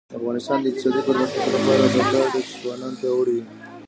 د افغانستان د اقتصادي پرمختګ لپاره پکار ده چې ځوانان پیاوړي وي.